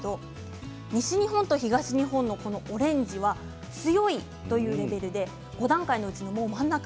西日本と東日本のオレンジは強いというレベルで５段階のうち真ん中。